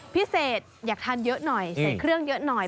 พิเศษอยากทานเยอะหน่อยใส่เครื่องเยอะหน่อย